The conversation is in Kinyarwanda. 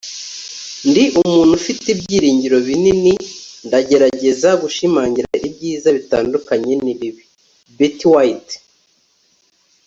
ndi umuntu ufite ibyiringiro binini. ndagerageza gushimangira ibyiza bitandukanye n'ibibi. - betty white